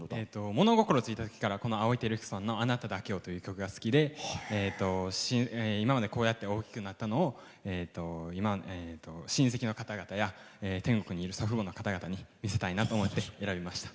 物心付いたときからこのあおい輝彦さんの「あなただけを」という曲が好きで今まで、こうやって大きくなったのを親戚の方々や天国にいる祖父母の方々に見せたいなと思って選びました。